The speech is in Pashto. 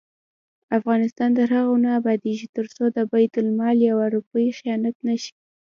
افغانستان تر هغو نه ابادیږي، ترڅو د بیت المال یوه روپۍ خیانت نشي.